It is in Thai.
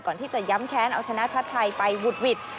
ก่อนที่จะย้ำแค้นเอาชนะชัดชัยไปหวุดหวิด